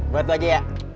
buat gue aja ya